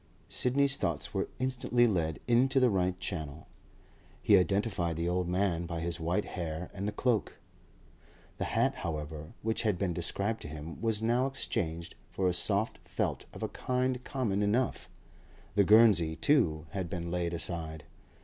Sidney's thoughts were instantly led into the right channel; he identified the old man by his white hair and the cloak. The hat, however, which had been described to him, was now exchanged for a soft felt of a kind common enough; the guernsey, too, had been laid aside.